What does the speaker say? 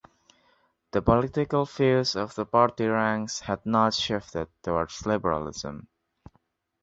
The political views of the party ranks had not shifted towards liberalism.